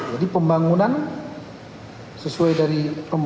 jadi pembangunan sesuai dari